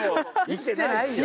生きてないよ。